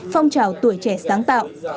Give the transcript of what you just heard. phong trào tuổi trẻ sáng tạo